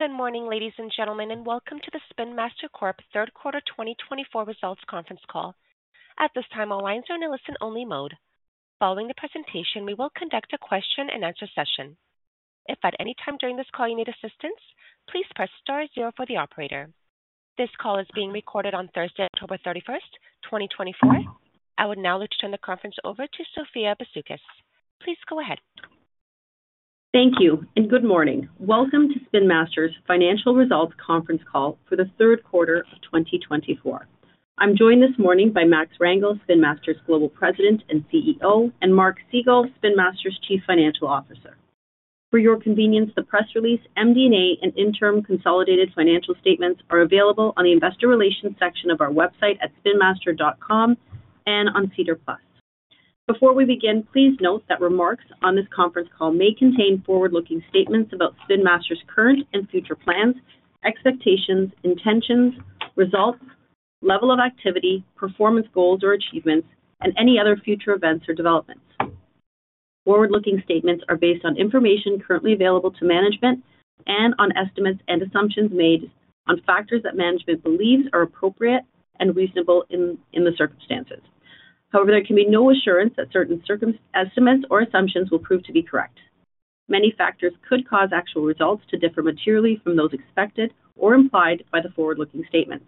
Good morning, ladies and gentlemen, and welcome to the Spin Master Corp Q3 2024 results Conference Call. At this time, all lines are in a listen-only mode. Following the presentation, we will conduct a question-and-answer session. If at any time during this call you need assistance, please press star zero for the operator. This call is being recorded on Thursday, October 31st, 2024. I would now like to turn the conference over to Sophia Bisoukis. Please go ahead. Thank you, and good morning. Welcome to Spin Master's financial results conference call for the Q3 of 2024. I'm joined this morning by Max Rangel, Spin Master's Global President and CEO, and Mark Segal, Spin Master's Chief Financial Officer. For your convenience, the press release, MD&A, and interim consolidated financial statements are available on the investor relations section of our website at spinmaster.com and on SEDAR+. Before we begin, please note that remarks on this conference call may contain forward-looking statements about Spin Master's current and future plans, expectations, intentions, results, level of activity, performance goals or achievements, and any other future events or developments. Forward-looking statements are based on information currently available to management and on estimates and assumptions made on factors that management believes are appropriate and reasonable in the circumstances. However, there can be no assurance that certain estimates or assumptions will prove to be correct. Many factors could cause actual results to differ materially from those expected or implied by the forward-looking statements.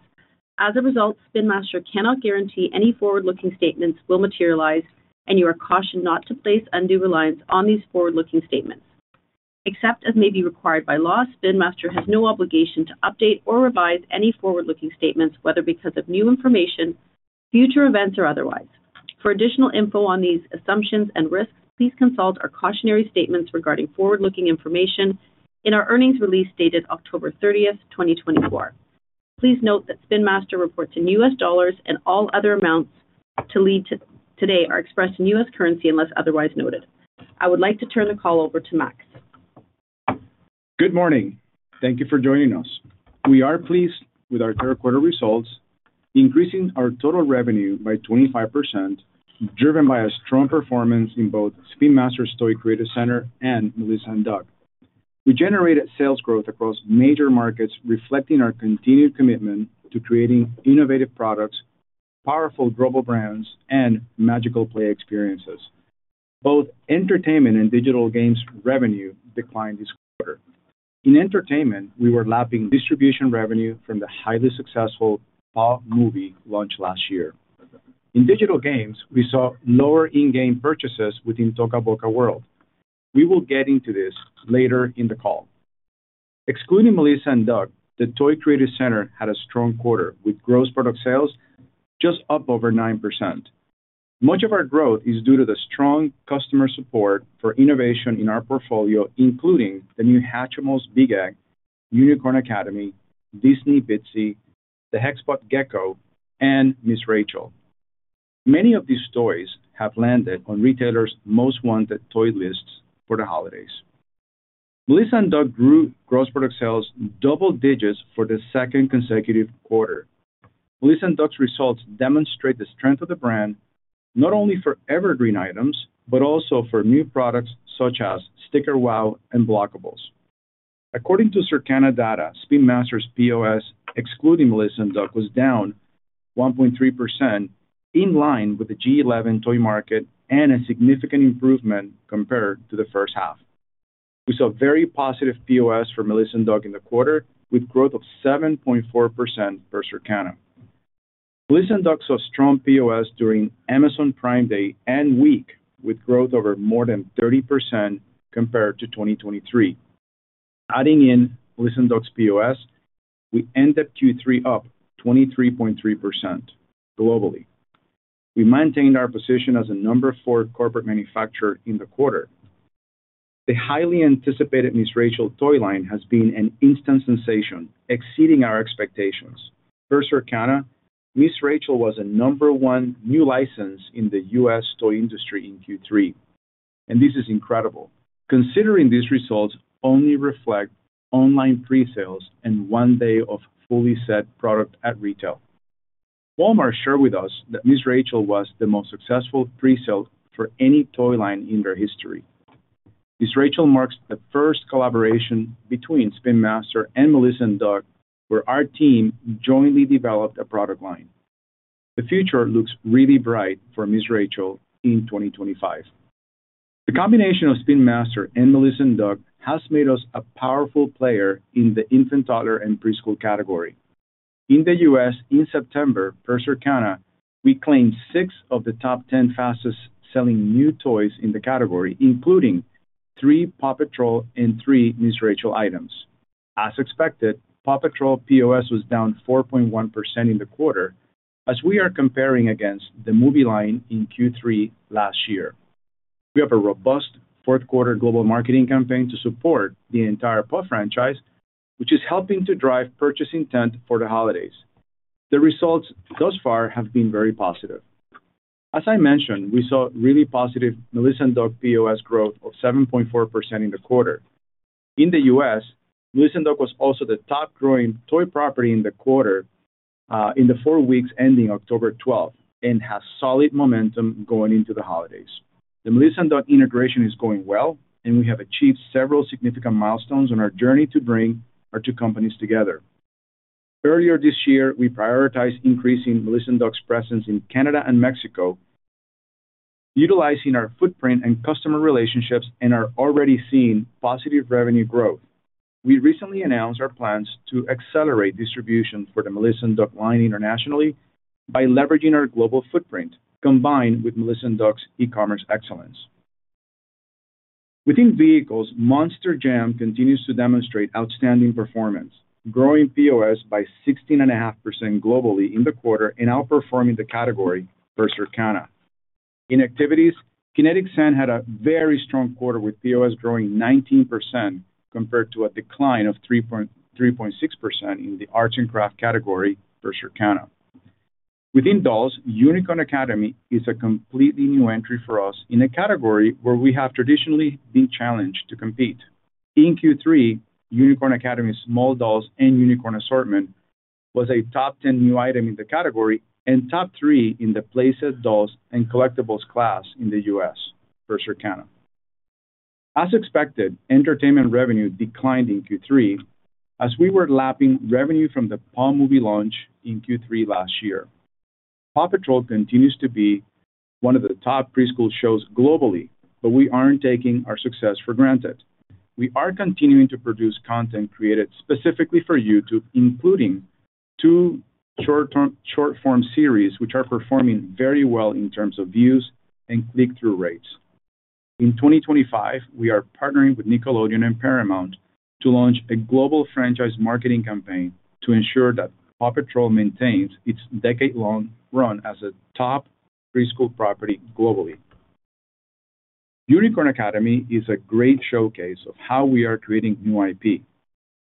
As a result, Spin Master cannot guarantee any forward-looking statements will materialize, and you are cautioned not to place undue reliance on these forward-looking statements. Except as may be required by law, Spin Master has no obligation to update or revise any forward-looking statements, whether because of new information, future events, or otherwise. For additional info on these assumptions and risks, please consult our cautionary statements regarding forward-looking information in our earnings release dated October 30th, 2024. Please note that Spin Master reports in US dollars, and all other amounts referred to today are expressed in US currency unless otherwise noted. I would like to turn the call over to Max. Good morning. Thank you for joining us. We are pleased with our Q3 results, increasing our total revenue by 25%, driven by a strong performance in both Spin Master Toy Creative Center and Melissa & Doug. We generated sales growth across major markets, reflecting our continued commitment to creating innovative products, powerful global brands, and magical play experiences. Both entertainment and digital games revenue declined this quarter. In entertainment, we were lapping distribution revenue from the highly successful Paw Movie launch last year. In digital games, we saw lower in-game purchases within Toca Boca World. We will get into this later in the call. Excluding Melissa & Doug, the Toy Creative Center had a strong quarter with gross product sales just up over 9%. Much of our growth is due to the strong customer support for innovation in our portfolio, including the new Hatchimals Big Egg, Unicorn Academy, Disney Bitzee, the Hexbug Gecko, and Miss Rachel. Many of these toys have landed on retailers' most wanted toy lists for the holidays. Melissa & Doug grew gross product sales double digits for the second consecutive quarter. Melissa & Doug's results demonstrate the strength of the brand, not only for evergreen items, but also for new products such as Sticker Wow and Blockables. According to Circana data, Spin Master's POS, excluding Melissa & Doug, was down 1.3%, in line with the G11 toy market and a significant improvement compared to the H1. We saw very positive POS for Melissa & Doug in the quarter, with growth of 7.4% per Circana. Melissa & Doug saw strong POS during Amazon Prime Day and week, with growth over more than 30% compared to 2023. Adding in Melissa & Doug's POS, we ended Q3 up 23.3% globally. We maintained our position as a number four corporate manufacturer in the quarter. The highly anticipated Miss Rachel toy line has been an instant sensation, exceeding our expectations. Per Circana, Miss Rachel was a number one new license in the U.S. toy industry in Q3, and this is incredible. Considering these results only reflect online presales and one day of fully set product at retail, Walmart shared with us that Miss Rachel was the most successful presale for any toy line in their history. Miss Rachel marks the first collaboration between Spin Master and Melissa & Doug, where our team jointly developed a product line. The future looks really bright for Miss Rachel in 2025. The combination of Spin Master and Melissa & Doug has made us a powerful player in the infant toddler and preschool category. In the U.S., in September, per Circana, we claimed six of the top 10 fastest-selling new toys in the category, including three Paw Patrol and three Miss Rachel items. As expected, Paw Patrol POS was down 4.1% in the quarter, as we are comparing against the movie line in Q3 last year. We have a robust Q4 global marketing campaign to support the entire Paw franchise, which is helping to drive purchase intent for the holidays. The results thus far have been very positive. As I mentioned, we saw really positive Melissa & Doug POS growth of 7.4% in the quarter. In the US, Melissa & Doug was also the top growing toy property in the quarter in the four weeks ending October 12th and has solid momentum going into the holidays. The Melissa & Doug integration is going well, and we have achieved several significant milestones on our journey to bring our two companies together. Earlier this year, we prioritized increasing Melissa & Doug's presence in Canada and Mexico, utilizing our footprint and customer relationships and our already seen positive revenue growth. We recently announced our plans to accelerate distribution for the Melissa & Doug line internationally by leveraging our global footprint, combined with Melissa & Doug's e-commerce excellence. Within vehicles, Monster Jam continues to demonstrate outstanding performance, growing POS by 16.5% globally in the quarter and outperforming the category per Circana. In activities, Kinetic Sand had a very strong quarter with POS growing 19% compared to a decline of 3.6% in the arts and craft category per Circana. Within dolls, Unicorn Academy is a completely new entry for us in a category where we have traditionally been challenged to compete. In Q3, Unicorn Academy's small dolls and unicorn assortment was a top 10 new item in the category and top 3 in the playset dolls and collectibles class in the U.S. per Circana. As expected, entertainment revenue declined in Q3 as we were lapping revenue from the Paw Movie launch in Q3 last year. Paw Patrol continues to be one of the top preschool shows globally, but we aren't taking our success for granted. We are continuing to produce content created specifically for YouTube, including two short-form series which are performing very well in terms of views and click-through rates. In 2025, we are partnering with Nickelodeon and Paramount to launch a global franchise marketing campaign to ensure that Paw Patrol maintains its decade-long run as a top preschool property globally. Unicorn Academy is a great showcase of how we are creating new IP.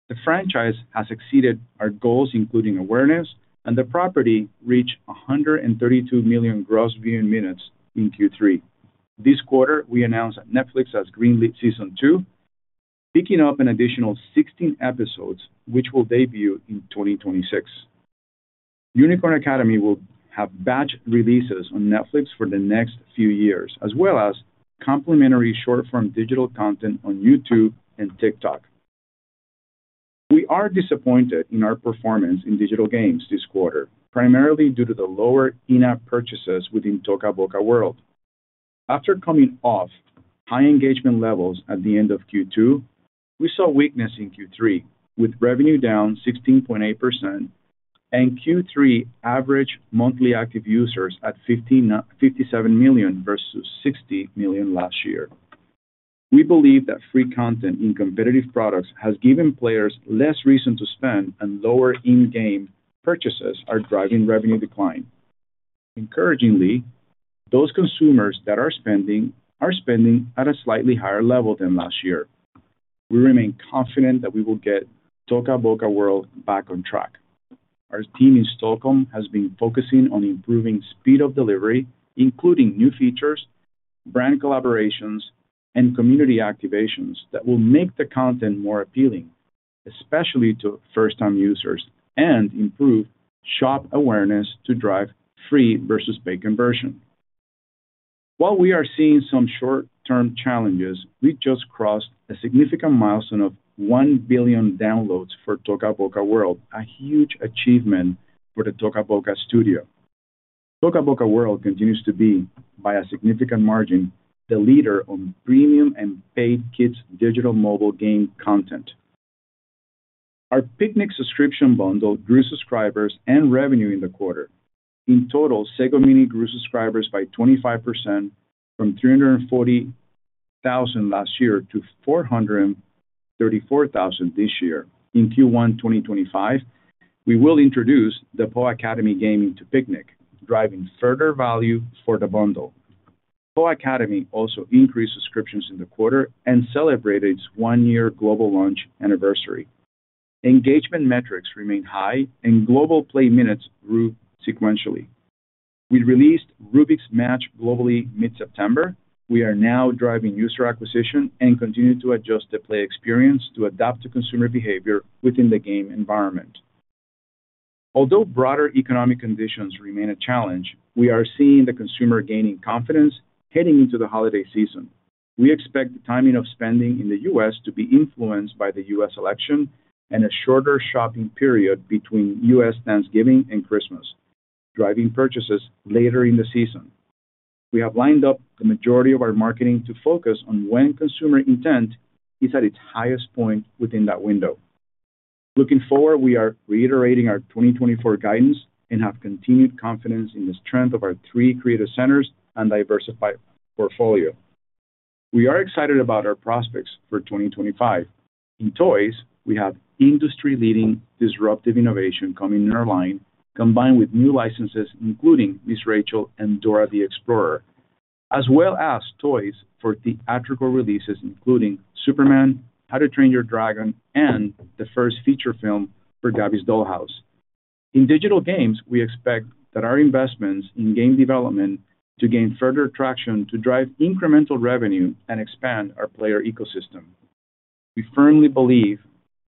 The franchise has exceeded our goals, including awareness, and the property reached 132 million gross viewing minutes in Q3. This quarter, we announced that Netflix has greenlit season two, picking up an additional 16 episodes, which will debut in 2026. Unicorn Academy will have batch releases on Netflix for the next few years, as well as complimentary short-form digital content on YouTube and TikTok. We are disappointed in our performance in digital games this quarter, primarily due to the lower in-app purchases within Toca Boca World. After coming off high engagement levels at the end of Q2, we saw weakness in Q3, with revenue down 16.8% and Q3 average monthly active users at 57 million versus 60 million last year. We believe that free content in competitive products has given players less reason to spend, and lower in-game purchases are driving revenue decline. Encouragingly, those consumers that are spending are spending at a slightly higher level than last year. We remain confident that we will get Toca Boca World back on track. Our team in Stockholm has been focusing on improving speed of delivery, including new features, brand collaborations, and community activations that will make the content more appealing, especially to first-time users, and improve shop awareness to drive free versus paid conversion. While we are seeing some short-term challenges, we just crossed a significant milestone of 1 billion downloads for Toca Boca World, a huge achievement for the Toca Boca studio. Toca Boca World continues to be, by a significant margin, the leader on premium and paid kids' digital mobile game content. Our Piknik subscription bundle grew subscribers and revenue in the quarter. In total, Sago Mini grew subscribers by 25% from 340,000 last year to 434,000 this year. In Q1 2025, we will introduce the Paw Academy game into Piknik, driving further value for the bundle. Paw Academy also increased subscriptions in the quarter and celebrated its one-year global launch anniversary. Engagement metrics remain high, and global play minutes grew sequentially. We released Rubik's Match globally mid-September. We are now driving user acquisition and continue to adjust the play experience to adapt to consumer behavior within the game environment. Although broader economic conditions remain a challenge, we are seeing the consumer gaining confidence heading into the holiday season. We expect the timing of spending in the U.S. to be influenced by the U.S. election and a shorter shopping period between U.S. Thanksgiving and Christmas, driving purchases later in the season. We have lined up the majority of our marketing to focus on when consumer intent is at its highest point within that window. Looking forward, we are reiterating our 2024 guidance and have continued confidence in the strength of our three creative centers and diversified portfolio. We are excited about our prospects for 2025. In toys, we have industry-leading disruptive innovation coming in our line, combined with new licenses, including Miss Rachel and Dora the Explorer, as well as toys for theatrical releases, including Superman, How to Train Your Dragon, and the first feature film for Gabby's Dollhouse. In digital games, we expect that our investments in game development to gain further traction to drive incremental revenue and expand our player ecosystem. We firmly believe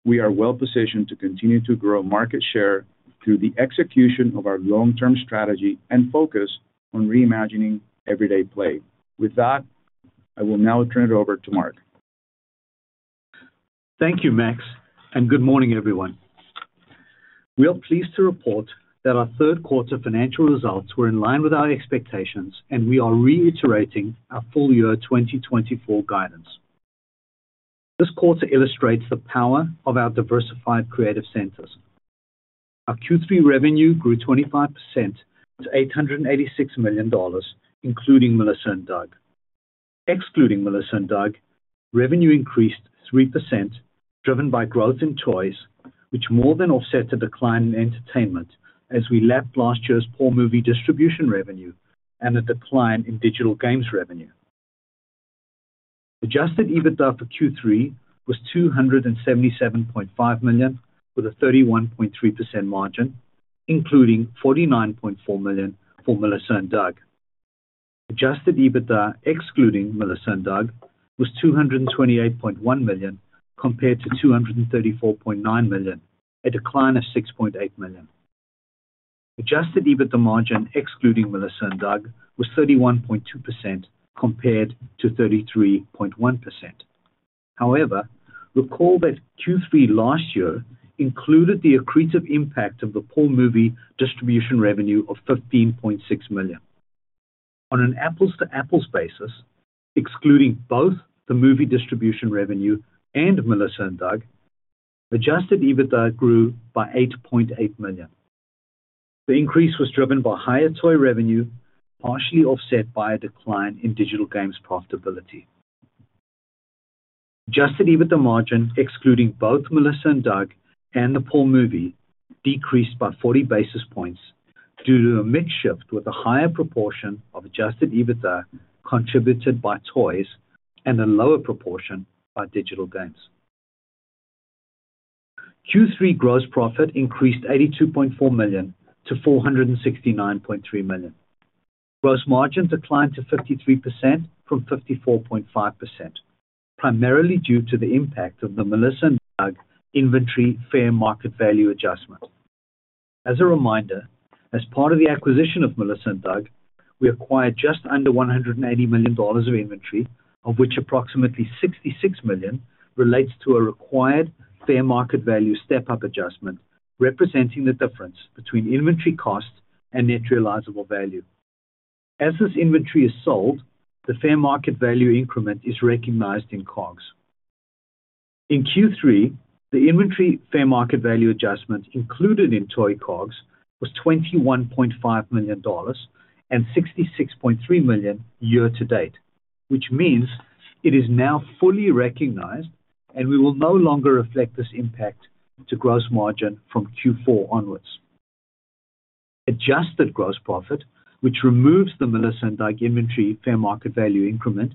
we are well-positioned to continue to grow market share through the execution of our long-term strategy and focus on reimagining everyday play. With that, I will now turn it over to Mark. Thank you, Max, and good morning, everyone. We are pleased to report that our Q3 financial results were in line with our expectations, and we are reiterating our full year 2024 guidance. This quarter illustrates the power of our diversified creative centers. Our Q3 revenue grew 25% to $886 million, including Melissa & Doug. Excluding Melissa & Doug, revenue increased 3%, driven by growth in toys, which more than offset the decline in entertainment as we lapped last year's Paw Movie distribution revenue and the decline in digital games revenue. Adjusted EBITDA for Q3 was $277.5 million with a 31.3% margin, including $49.4 million for Melissa & Doug. Adjusted EBITDA, excluding Melissa & Doug, was $228.1 million compared to $234.9 million, a decline of $6.8 million. Adjusted EBITDA margin, excluding Melissa & Doug, was 31.2% compared to 33.1%. However, recall that Q3 last year included the accretive impact of the Paw Movie distribution revenue of $15.6 million. On an apples-to-apples basis, excluding both the movie distribution revenue and Melissa & Doug, Adjusted EBITDA grew by $8.8 million. The increase was driven by higher toy revenue, partially offset by a decline in digital games profitability. Adjusted EBITDA margin, excluding both Melissa and Doug and the Paw Movie, decreased by 40 basis points due to a mixed shift with a higher proportion of Adjusted EBITDA contributed by toys and a lower proportion by digital games. Q3 gross profit increased $82.4 to $469.3 million. Gross margin declined to 53% from 54.5%, primarily due to the impact of the Melissa and Doug inventory fair market value adjustment. As a reminder, as part of the acquisition of Melissa & Doug, we acquired just under $180 million of inventory, of which approximately $66 million relates to a required fair market value step-up adjustment representing the difference between inventory cost and net realizable value. As this inventory is sold, the fair market value increment is recognized in COGS. In Q3, the inventory fair market value adjustment included in toy COGS was $21.5 and $66.3 million year to date, which means it is now fully recognized, and we will no longer reflect this impact to gross margin from Q4 onwards. Adjusted gross profit, which removes the Melissa & Doug inventory fair market value increment,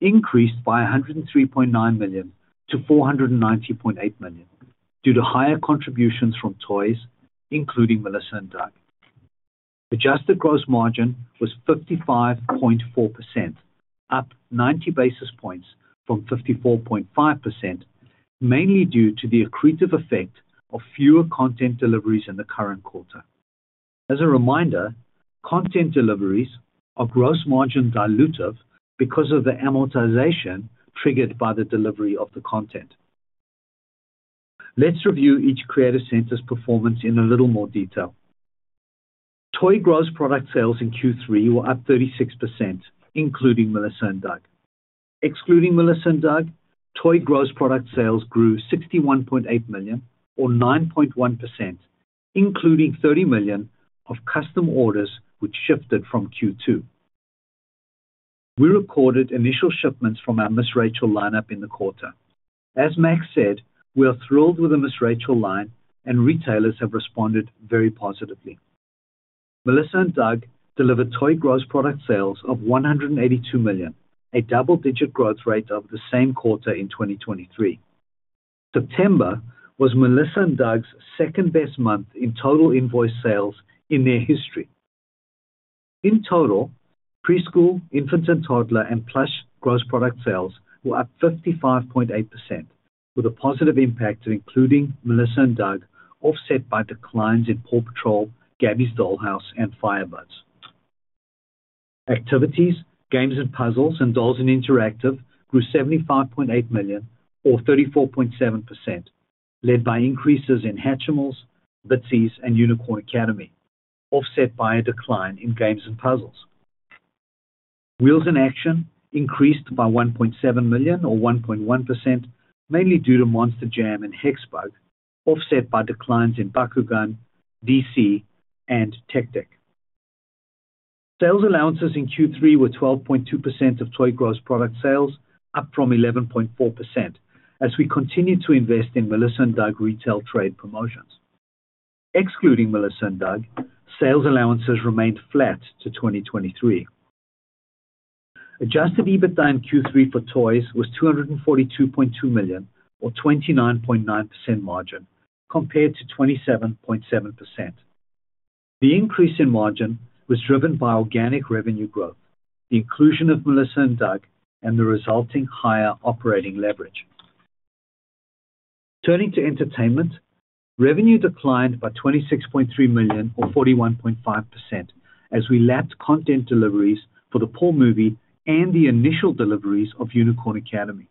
increased by $103.9 to $490.8 million due to higher contributions from toys, including Melissa & Doug. Adjusted gross margin was 55.4%, up 90 basis points from 54.5%, mainly due to the accretive effect of fewer content deliveries in the current quarter. As a reminder, content deliveries are gross margin dilutive because of the amortization triggered by the delivery of the content. Let's review each creative center's performance in a little more detail. Toy gross product sales in Q3 were up 36%, including Melissa & Doug. Excluding Melissa & Doug, toy gross product sales grew $61.8 million, or 9.1%, including $30 million of custom orders, which shifted from Q2. We recorded initial shipments from our Miss Rachel lineup in the quarter. As Max said, we are thrilled with the Miss Rachel line, and retailers have responded very positively. Melissa & Doug delivered toy gross product sales of $182 million, a double-digit growth rate over the same quarter in 2023. September was Melissa & Doug's second-best month in total invoice sales in their history. In total, preschool, infant and toddler, and plush gross product sales were up 55.8%, with a positive impact including Melissa & Doug, offset by declines in Paw Patrol, Gabby's Dollhouse, and Firebuds. Activities, games and puzzles, and dolls and interactive grew $75.8 million, or 34.7%, led by increases in Hatchimals, Bitzee, and Unicorn Academy, offset by a decline in games and puzzles. Wheels and action increased by $1.7 million, or 1.1%, mainly due to Monster Jam and Hexbug, offset by declines in Bakugan, DC, and Tactic. Sales allowances in Q3 were 12.2% of toy gross product sales, up from 11.4%, as we continue to invest in Melissa & Doug retail trade promotions. Excluding Melissa & Doug, sales allowances remained flat to 2023. Adjusted EBITDA in Q3 for toys was $242.2 million, or 29.9% margin, compared to 27.7%. The increase in margin was driven by organic revenue growth, the inclusion of Melissa & Doug, and the resulting higher operating leverage. Turning to entertainment, revenue declined by $26.3 million, or 41.5%, as we lapped content deliveries for the Paw Movie and the initial deliveries of Unicorn Academy.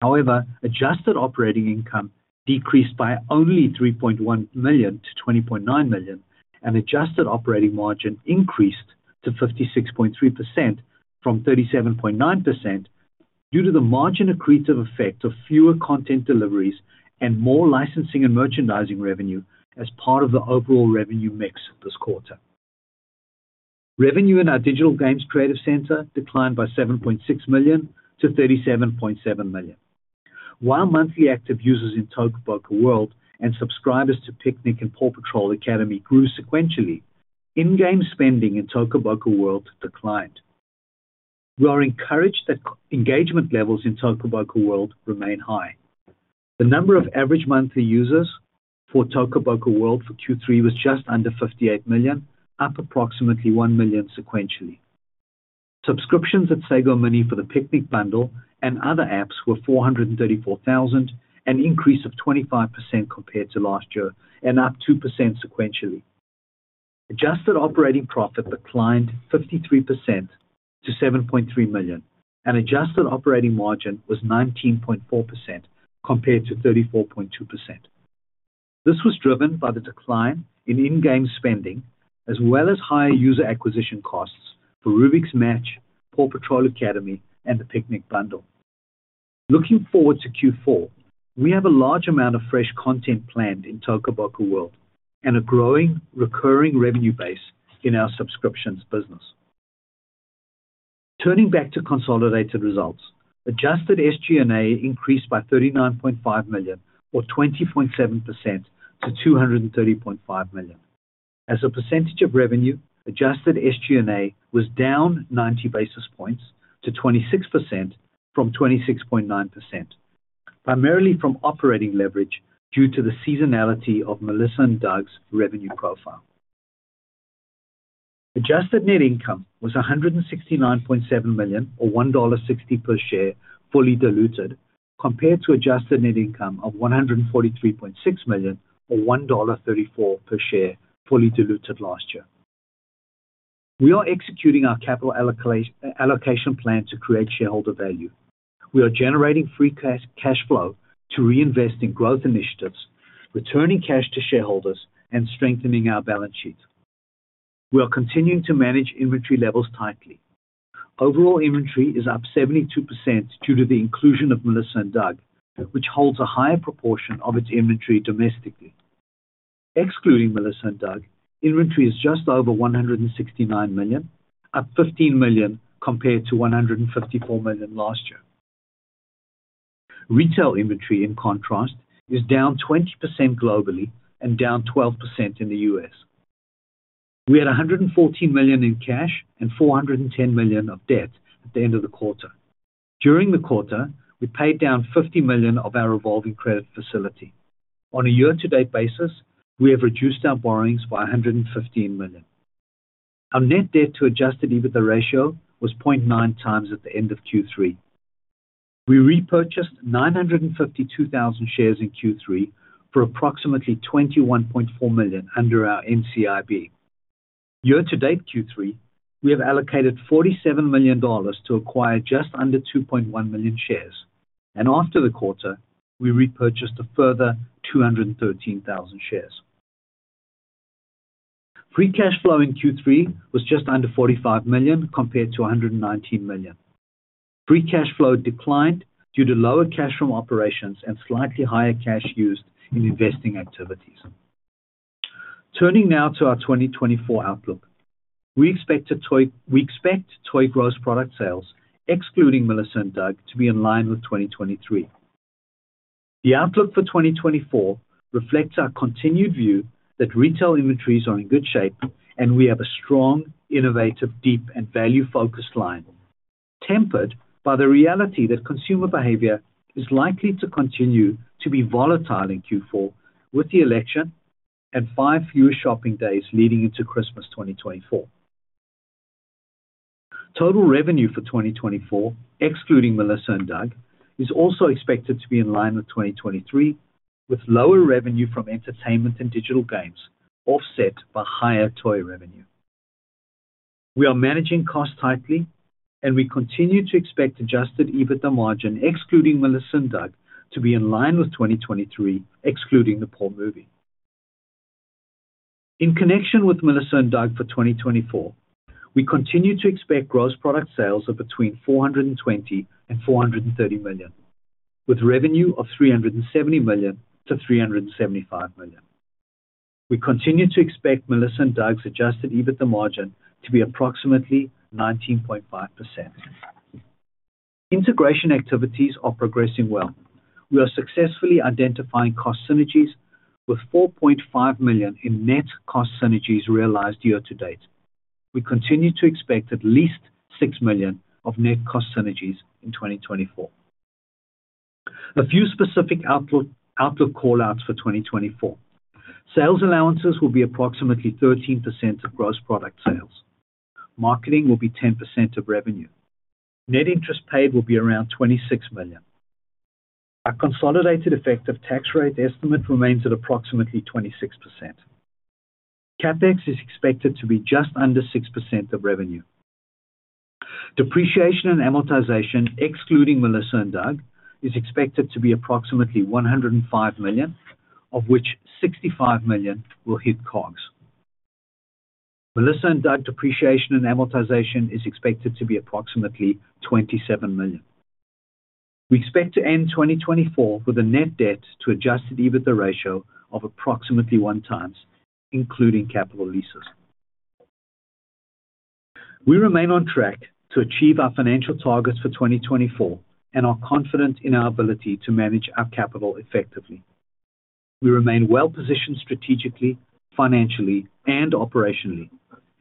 However, adjusted operating income decreased by only $3.1 to $20.9 million, and adjusted operating margin increased to 56.3% from 37.9% due to the margin accretive effect of fewer content deliveries and more licensing and merchandising revenue as part of the overall revenue mix this quarter. Revenue in our digital games creative center declined by $7.6 to $37.7 million. While monthly active users in Toca Boca World and subscribers to Piknik and Paw Academy grew sequentially, in-game spending in Toca Boca World declined. We are encouraged that engagement levels in Toca Boca World remain high. The number of average monthly users for Toca Boca World for Q3 was just under 58 million, up approximately 1 million sequentially. Subscriptions at Sago Mini for the Piknik bundle and other apps were $434,000, an increase of 25% compared to last year and up 2% sequentially. Adjusted operating profit declined 53% to $7.3 million, and adjusted operating margin was 19.4% compared to 34.2%. This was driven by the decline in in-game spending, as well as higher user acquisition costs for Rubik's Match, Paw Academy, and the Piknik bundle. Looking forward to Q4, we have a large amount of fresh content planned in Toca Boca World and a growing recurring revenue base in our subscriptions business. Turning back to consolidated results, adjusted SG&A increased by $39.5 million, or 20.7% to $230.5 million. As a percentage of revenue, adjusted SG&A was down 90 basis points to 26% from 26.9%, primarily from operating leverage due to the seasonality of Melissa & Doug's revenue profile. Adjusted net income was $169.7 million, or $1.60 per share, fully diluted compared to adjusted net income of $143.6 million, or $1.34 per share, fully diluted last year. We are executing our capital allocation plan to create shareholder value. We are generating free cash flow to reinvest in growth initiatives, returning cash to shareholders, and strengthening our balance sheet. We are continuing to manage inventory levels tightly. Overall inventory is up 72% due to the inclusion of Melissa & Doug, which holds a higher proportion of its inventory domestically. Excluding Melissa & Doug, inventory is just over $169 million, up $15 million compared to $154 million last year. Retail inventory, in contrast, is down 20% globally and down 12% in the U.S. We had $114 million in cash and $410 million of debt at the end of the quarter. During the quarter, we paid down $50 million of our revolving credit facility. On a year-to-date basis, we have reduced our borrowings by $115 million. Our net debt to Adjusted EBITDA ratio was 0.9 times at the end of Q3. We repurchased 952,000 shares in Q3 for approximately $21.4 million under our NCIB. Year-to-date Q3, we have allocated $47 million to acquire just under 2.1 million shares, and after the quarter, we repurchased a further 213,000 shares. Free cash flow in Q3 was just under $45 million compared to $119 million. Free cash flow declined due to lower cash from operations and slightly higher cash used in investing activities. Turning now to our 2024 outlook, we expect toy gross product sales, excluding Melissa and Doug, to be in line with 2023. The outlook for 2024 reflects our continued view that retail inventories are in good shape and we have a strong, innovative, deep, and value-focused line, tempered by the reality that consumer behavior is likely to continue to be volatile in Q4 with the election and five fewer shopping days leading into Christmas 2024. Total revenue for 2024, excluding Melissa and Doug, is also expected to be in line with 2023, with lower revenue from entertainment and digital games offset by higher toy revenue. We are managing costs tightly, and we continue to expect Adjusted EBITDA margin, excluding Melissa and Doug, to be in line with 2023, excluding the Paw Movie. In connection with Melissa & Doug for 2024, we continue to expect gross product sales of between $420-$430 million, with revenue of $370-$375 million. We continue to expect Melissa & Doug's Adjusted EBITDA margin to be approximately 19.5%. Integration activities are progressing well. We are successfully identifying cost synergies with $4.5 million in net cost synergies realized year to date. We continue to expect at least $6 million of net cost synergies in 2024. A few specific outlook callouts for 2024. Sales allowances will be approximately 13% of gross product sales. Marketing will be 10% of revenue. Net interest paid will be around $26 million. Our consolidated effective tax rate estimate remains at approximately 26%. CapEx is expected to be just under 6% of revenue. Depreciation and amortization, excluding Melissa & Doug, is expected to be approximately $105 million, of which $65 million will hit COGS. Melissa & Doug depreciation and amortization is expected to be approximately $27 million. We expect to end 2024 with a net debt to Adjusted EBITDA ratio of approximately one times, including capital leases. We remain on track to achieve our financial targets for 2024 and are confident in our ability to manage our capital effectively. We remain well-positioned strategically, financially, and operationally,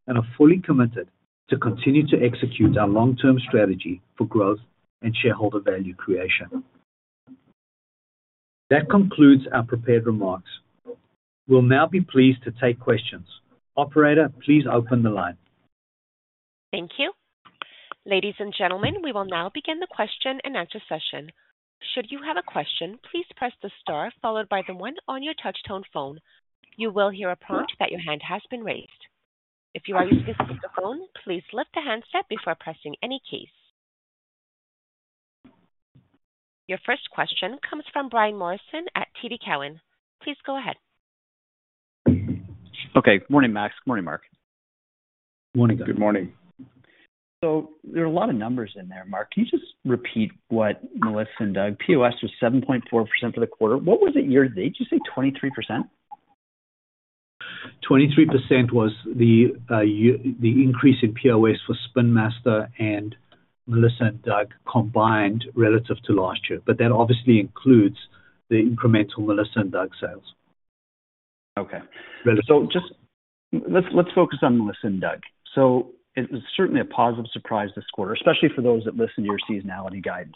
and are fully committed to continue to execute our long-term strategy for growth and shareholder value creation. That concludes our prepared remarks. We'll now be pleased to take questions. Operator, please open the line. Thank you. Ladies and gentlemen, we will now begin the question and answer session. Should you have a question, please press the star followed by the one on your touchtone phone. You will hear a prompt that your hand has been raised. If you are using a speakerphone, please lift the handset before pressing any keys. Your first question comes from Brian Morrison at TD Cowen. Please go ahead. Okay. Good morning, Max. Good morning, Mark. Good morning, Doug. Good morning. So there are a lot of numbers in there, Mark. Can you just repeat what Melissa & Doug POS was 7.4% for the quarter. What was it year to date? Did you say 23%? 23% was the increase in POS for Spin Master and Melissa & Doug combined relative to last year, but that obviously includes the incremental Melissa & Doug sales. Okay. So let's focus on Melissa & Doug. So it was certainly a positive surprise this quarter, especially for those that listen to your seasonality guidance.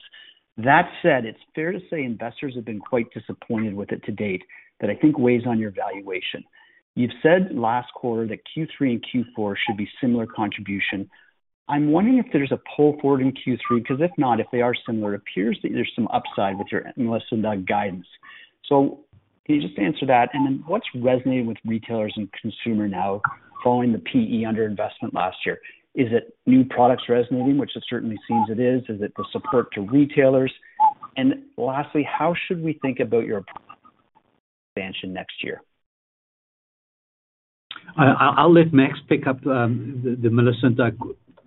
That said, it's fair to say investors have been quite disappointed with it to date, that I think weighs on your valuation. You've said last quarter that Q3 and Q4 should be similar contribution. I'm wondering if there's a pull forward in Q3, because if not, if they are similar, it appears that there's some upside with your Melissa & Doug guidance. So can you just answer that? And then what's resonating with retailers and consumers now following the capex under investment last year? Is it new products resonating, which it certainly seems it is? Is it the support to retailers? And lastly, how should we think about your expansion next year? I'll let Max pick up the Melissa & Doug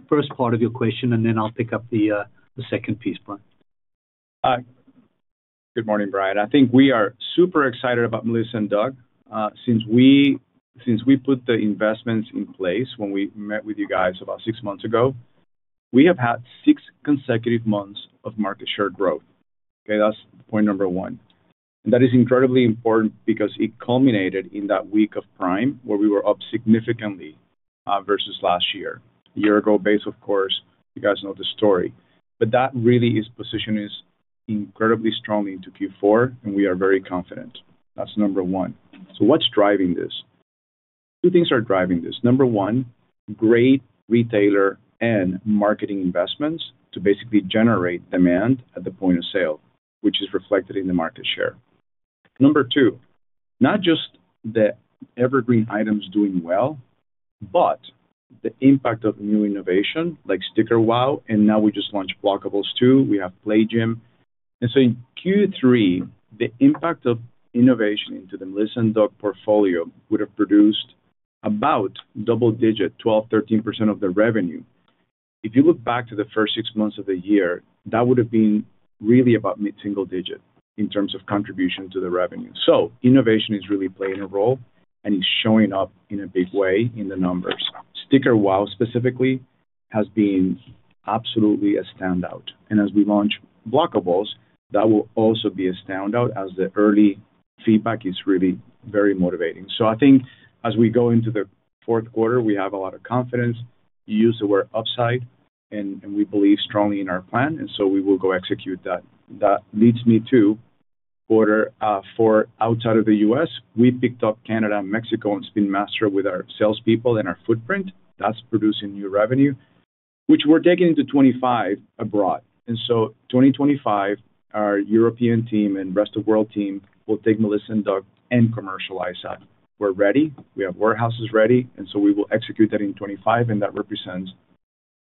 first part of your question, and then I'll pick up the second piece, Brian. Good morning, Brian. I think we are super excited about Melissa & Doug. Since we put the investments in place when we met with you guys about six months ago, we have had six consecutive months of market share growth. Okay? That's point number one, and that is incredibly important because it culminated in that week of Prime where we were up significantly versus last year. A year-ago base, of course. You guys know the story, but that really is positioning us incredibly strongly into Q4, and we are very confident. That's number one, so what's driving this? Two things are driving this. Number one, great retailer and marketing investments to basically generate demand at the point of sale, which is reflected in the market share. Number two, not just the evergreen items doing well, but the impact of new innovation like Sticker Wow, and now we just launched Blockables too. We have Play Gym. In Q3, the impact of innovation into the Melissa & Doug portfolio would have produced about double-digit, 12-13% of the revenue. If you look back to the first six months of the year, that would have been really about mid-single digit in terms of contribution to the revenue. Innovation is really playing a role, and it's showing up in a big way in the numbers. Sticker Wow specifically has been absolutely a standout. As we launch Blockables, that will also be a standout as the early feedback is really very motivating. I think as we go into the Q4, we have a lot of confidence. You used the word upside, and we believe strongly in our plan, and so we will go execute that. That leads me to Q4 outside of the U.S. We picked up Canada and Mexico and Spin Master with our salespeople and our footprint. That's producing new revenue, which we're taking into 2025 abroad. And so 2025, our European team and rest of world team will take Melissa and Doug and commercialize that. We're ready. We have warehouses ready, and so we will execute that in 2025, and that represents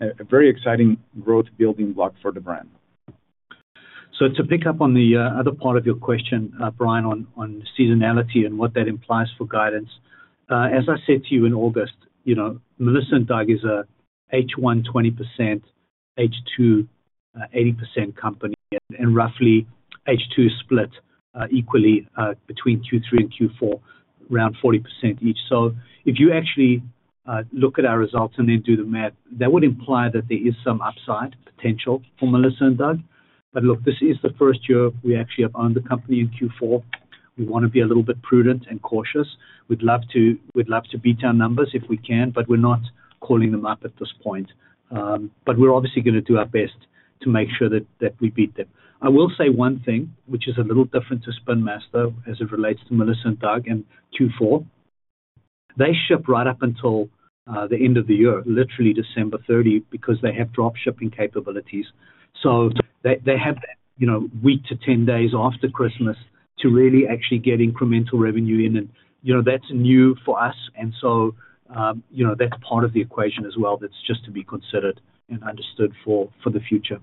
a very exciting growth building block for the brand. So to pick up on the other part of your question, Brian, on seasonality and what that implies for guidance, as I said to you in August, Melissa and Doug is an H1 20%, H2 80% company, and roughly H2 is split equally between Q3 and Q4, around 40% each. So if you actually look at our results and then do the math, that would imply that there is some upside potential for Melissa and Doug. But look, this is the first year we actually have owned the company in Q4. We want to be a little bit prudent and cautious. We'd love to beat our numbers if we can, but we're not calling them up at this point. But we're obviously going to do our best to make sure that we beat them. I will say one thing, which is a little different to Spin Master as it relates to Melissa & Doug and Q4. They ship right up until the end of the year, literally December 30, because they have dropshipping capabilities. So they have that week to 10 days after Christmas to really actually get incremental revenue in, and that's new for us. And so that's part of the equation as well that's just to be considered and understood for the future.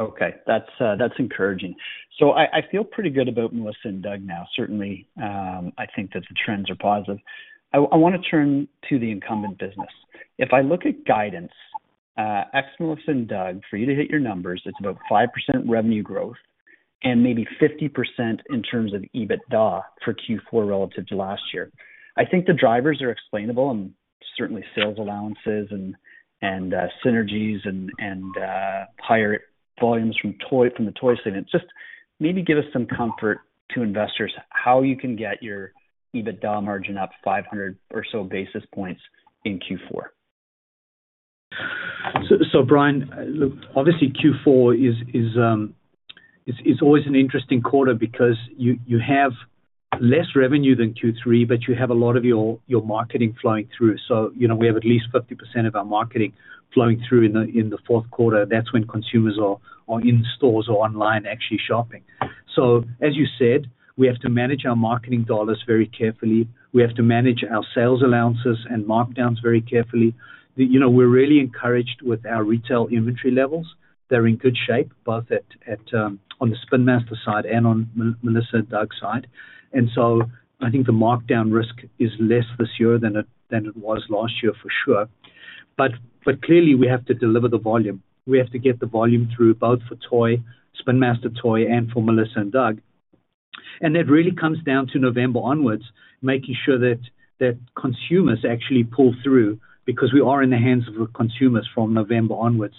Okay. That's encouraging. I feel pretty good about Melissa & Doug now. Certainly, I think that the trends are positive. I want to turn to the incumbent business. If I look at guidance, ex-Melissa & Doug, for you to hit your numbers, it's about 5% revenue growth and maybe 50% in terms of EBITDA for Q4 relative to last year. I think the drivers are explainable, and certainly sales allowances and synergies and higher volumes from the toy segment. Just maybe give us some comfort to investors how you can get your EBITDA margin up 500 or so basis points in Q4. So Brian, look, obviously Q4 is always an interesting quarter because you have less revenue than Q3, but you have a lot of your marketing flowing through. So we have at least 50% of our marketing flowing through in the Q4. That's when consumers are in stores or online actually shopping. So as you said, we have to manage our marketing dollars very carefully. We have to manage our sales allowances and markdowns very carefully. We're really encouraged with our retail inventory levels. They're in good shape, both on the Spin Master side and on Melissa & Doug side. And so I think the markdown risk is less this year than it was last year, for sure. But clearly, we have to deliver the volume. We have to get the volume through both for toy, Spin Master toy, and for Melissa & Doug. And it really comes down to November onwards, making sure that consumers actually pull through because we are in the hands of the consumers from November onwards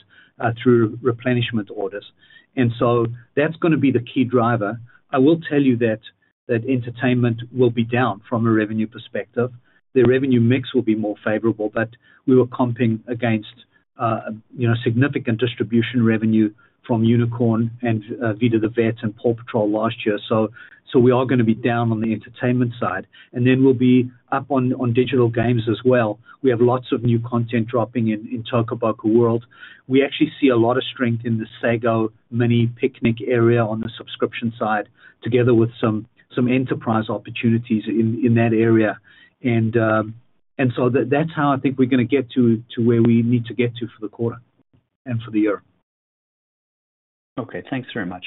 through replenishment orders. And so that's going to be the key driver. I will tell you that entertainment will be down from a revenue perspective. The revenue mix will be more favorable, but we were comping against significant distribution revenue from Unicorn and Vita the Vet and Paw Patrol last year. So we are going to be down on the entertainment side. And then we'll be up on digital games as well. We have lots of new content dropping in Toca Boca World. We actually see a lot of strength in the Sago Mini Piknik area on the subscription side, together with some enterprise opportunities in that area. And so that's how I think we're going to get to where we need to get to for the quarter and for the year. Okay. Thanks very much.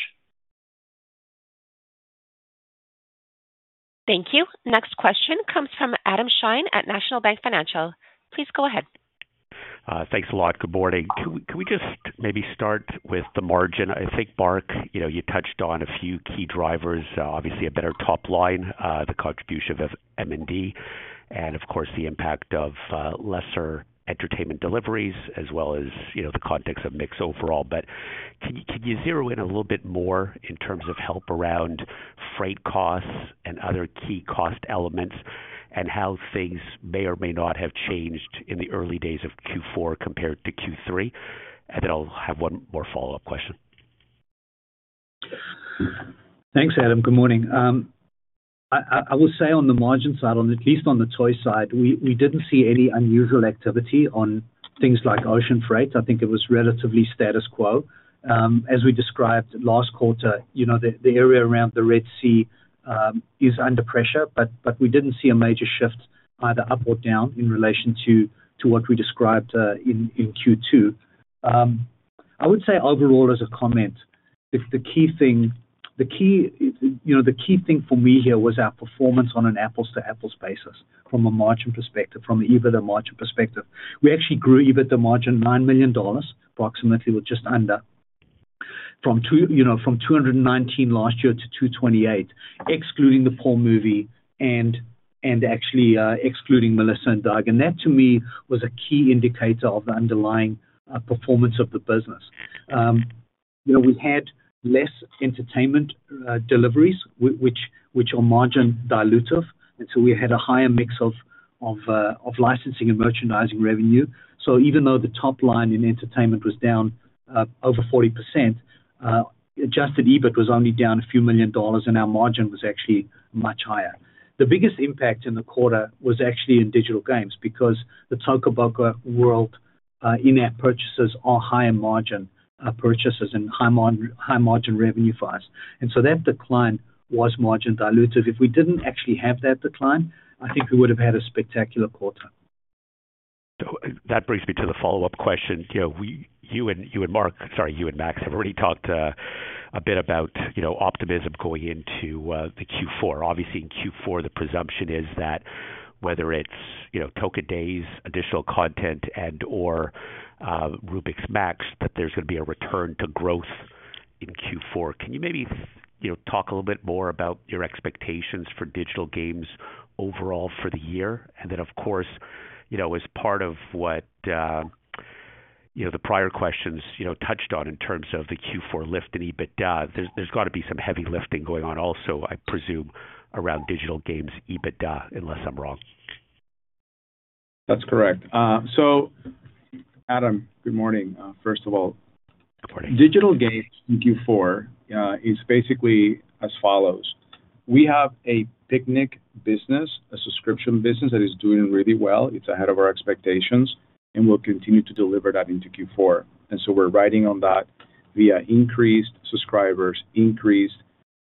Thank you. Next question comes from Adam Shine at National Bank Financial. Please go ahead. Thanks a lot. Good morning. Can we just maybe start with the margin? I think, Mark, you touched on a few key drivers, obviously a better top line, the contribution of M&D, and of course, the impact of lesser entertainment deliveries, as well as the context of mix overall. But can you zero in a little bit more in terms of help around freight costs and other key cost elements, and how things may or may not have changed in the early days of Q4 compared to Q3? And then I'll have one more follow-up question. Thanks, Adam. Good morning. I will say on the margin side, or at least on the toy side, we didn't see any unusual activity on things like ocean freight. I think it was relatively status quo. As we described last quarter, the area around the Red Sea is under pressure, but we didn't see a major shift either up or down in relation to what we described in Q2. I would say overall, as a comment, the key thing for me here was our performance on an apples-to-apples basis from a margin perspective, from an EBITDA margin perspective. We actually grew EBITDA margin $9 million, approximately, or just under, from 219 last year to 228, excluding the Paw Movie and actually excluding Melissa & Doug. And that, to me, was a key indicator of the underlying performance of the business. We had less entertainment deliveries, which are margin dilutive. And so we had a higher mix of licensing and merchandising revenue. So even though the top line in entertainment was down over 40%, adjusted EBIT was only down a few million dollars, and our margin was actually much higher. The biggest impact in the quarter was actually in digital games because the Toca Boca World in-app purchases are higher margin purchases and high margin revenue for us. And so that decline was margin dilutive. If we didn't actually have that decline, I think we would have had a spectacular quarter. So that brings me to the follow-up question. You and Mark, sorry, you and Max have already talked a bit about optimism going into the Q4. Obviously, in Q4, the presumption is that whether it's Toca Days, additional content, and/or Rubik's Match, that there's going to be a return to growth in Q4. Can you maybe talk a little bit more about your expectations for digital games overall for the year? And then, of course, as part of what the prior questions touched on in terms of the Q4 lift in EBITDA, there's got to be some heavy lifting going on also, I presume, around digital games' EBITDA, unless I'm wrong. That's correct. So, Adam, good morning, first of all. Good morning. Digital games in Q4 is basically as follows. We have a Piknik business, a subscription business that is doing really well. It's ahead of our expectations, and we'll continue to deliver that into Q4. And so we're riding on that via increased subscribers, increased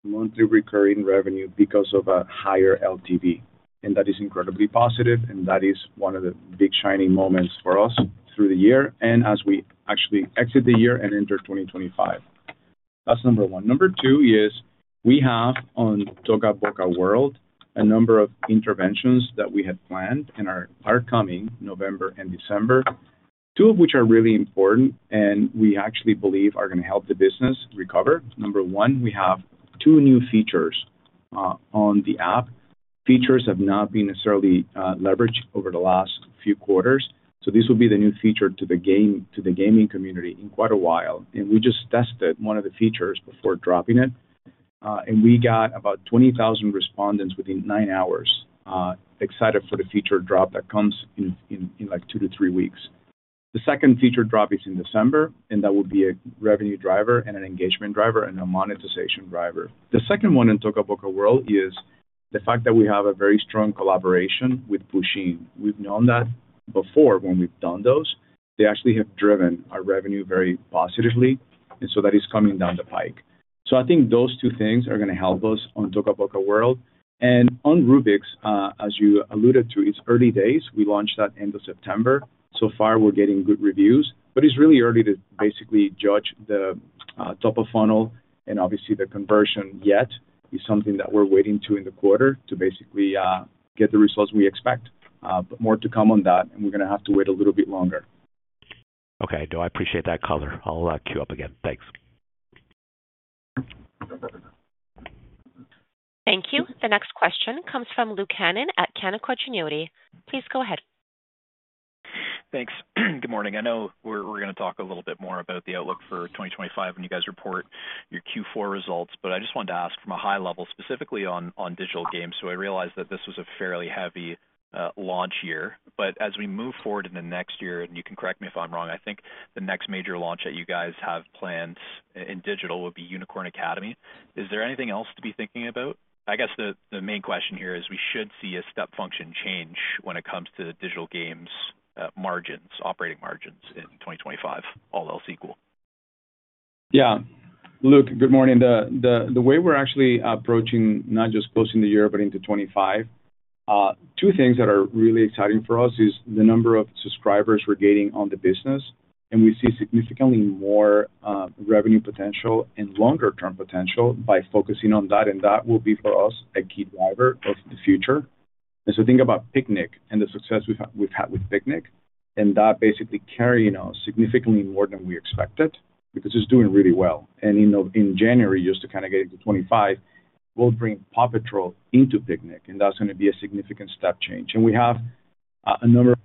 monthly recurring revenue because of a higher LTV. And that is incredibly positive, and that is one of the big shining moments for us through the year and as we actually exit the year and enter 2025. That's number one. Number two is we have on Toca Boca World a number of interventions that we had planned and are coming November and December, two of which are really important and we actually believe are going to help the business recover. Number one, we have two new features on the app. Features have not been necessarily leveraged over the last few quarters. So this will be the new feature to the gaming community in quite a while. And we just tested one of the features before dropping it. And we got about 20,000 respondents within nine hours excited for the feature drop that comes in like two to three weeks. The second feature drop is in December, and that will be a revenue driver and an engagement driver and a monetization driver. The second one in Toca Boca World is the fact that we have a very strong collaboration with Pusheen. We've known that before when we've done those. They actually have driven our revenue very positively, and so that is coming down the pike, so I think those two things are going to help us on Toca Boca World, and on Rubik's, as you alluded to, it's early days. We launched that end of September. So far, we're getting good reviews, but it's really early to basically judge the top of funnel and obviously the conversion yet is something that we're waiting to in the quarter to basically get the results we expect, but more to come on that, and we're going to have to wait a little bit longer. Okay. No, I appreciate that color. I'll queue up again. Thanks. Thank you. The next question comes from Luke Hannan at Canaccord Genuity. Please go ahead. Thanks. Good morning. I know we're going to talk a little bit more about the outlook for 2025 when you guys report your Q4 results, but I just wanted to ask from a high level, specifically on digital games. So I realized that this was a fairly heavy launch year. But as we move forward in the next year, and you can correct me if I'm wrong, I think the next major launch that you guys have planned in digital would be Unicorn Academy. Is there anything else to be thinking about? I guess the main question here is we should see a step function change when it comes to digital games' margins, operating margins in 2025, all else equal. Yeah. Look, good morning. The way we're actually approaching not just closing the year, but into 2025, two things that are really exciting for us is the number of subscribers we're gaining on the business. And we see significantly more revenue potential and longer-term potential by focusing on that. And that will be, for us, a key driver of the future. And so think about Piknik and the success we've had with Piknik, and that basically carrying us significantly more than we expected because it's doing really well. And in January, just to kind of get into 2025, we'll bring Paw Patrol into Piknik, and that's going to be a significant step change. And we have a number of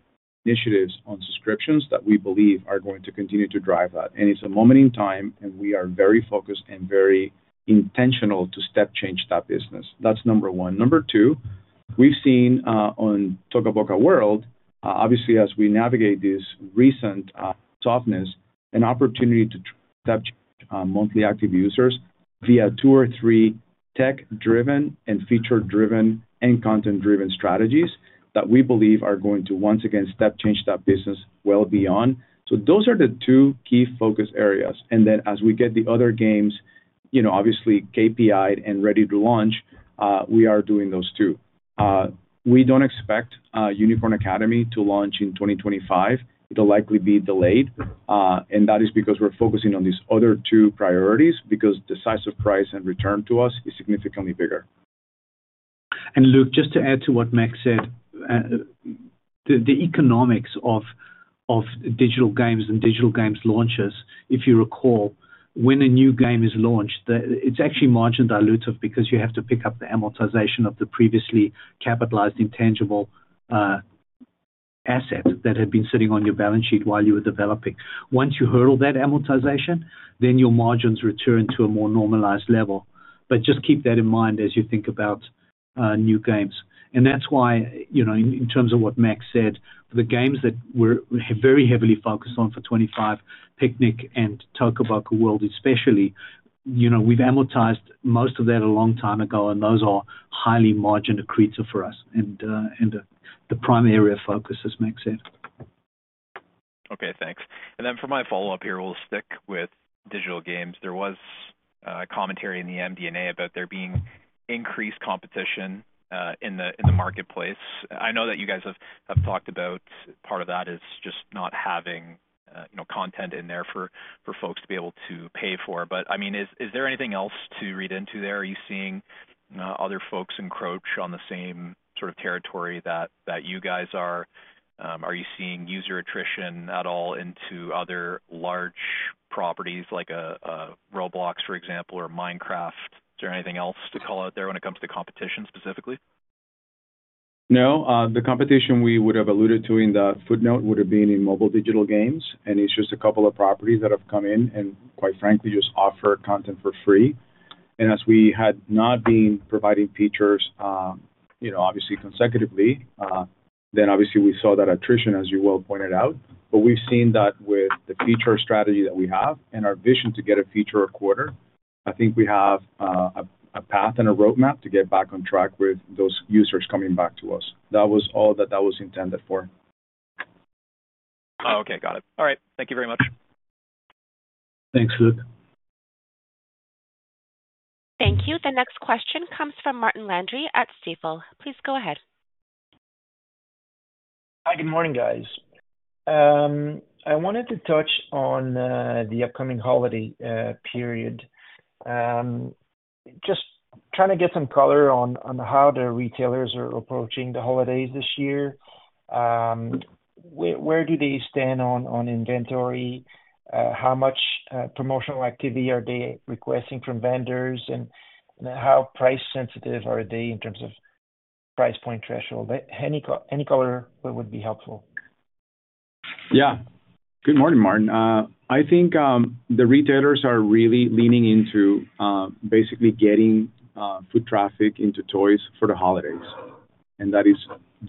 initiatives on subscriptions that we believe are going to continue to drive that. And it's a moment in time, and we are very focused and very intentional to step change that business. That's number one. Number two, we've seen on Toca Boca World, obviously, as we navigate this recent softness, an opportunity to step change monthly active users via two or three tech-driven and feature-driven and content-driven strategies that we believe are going to, once again, step change that business well beyond. So those are the two key focus areas. And then as we get the other games, obviously up and ready to launch, we are doing those too. We don't expect Unicorn Academy to launch in 2025. It'll likely be delayed. And that is because we're focusing on these other two priorities because the size of the prize and return to us is significantly bigger. Look, just to add to what Max said, the economics of digital games and digital games launches, if you recall, when a new game is launched, it's actually margin dilutive because you have to pick up the amortization of the previously capitalized intangible asset that had been sitting on your balance sheet while you were developing. Once you hurdle that amortization, then your margins return to a more normalized level. But just keep that in mind as you think about new games. That's why, in terms of what Max said, the games that we're very heavily focused on for 2025, Piknik and Toca Boca World especially, we've amortized most of that a long time ago, and those are highly margin accretive for us and the primary area of focus, as Max said. Okay. Thanks. Then for my follow-up here, we'll stick with digital games. There was commentary in the MD&A about there being increased competition in the marketplace. I know that you guys have talked about part of that is just not having content in there for folks to be able to pay for. But I mean, is there anything else to read into there? Are you seeing other folks encroach on the same sort of territory that you guys are? Are you seeing user attrition at all into other large properties like Roblox, for example, or Minecraft? Is there anything else to call out there when it comes to competition specifically? No. The competition we would have alluded to in the footnote would have been in mobile digital games. And it's just a couple of properties that have come in and, quite frankly, just offer content for free. And as we had not been providing features, obviously, consecutively, then obviously we saw that attrition, as you well pointed out. But we've seen that with the feature strategy that we have and our vision to get a feature a quarter. I think we have a path and a roadmap to get back on track with those users coming back to us. That was all that was intended for. Oh, okay. Got it. All right. Thank you very much. Thanks, Luke. Thank you. The next question comes from Martin Landry at Stifel. Please go ahead. Hi, good morning, guys. I wanted to touch on the upcoming holiday period. Just trying to get some color on how the retailers are approaching the holidays this year. Where do they stand on inventory? How much promotional activity are they requesting from vendors? And how price-sensitive are they in terms of price point threshold? Any color would be helpful. Yeah. Good morning, Martin. I think the retailers are really leaning into basically getting foot traffic into toys for the holidays. And that is